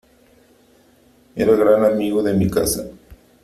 era gran amigo de mi casa .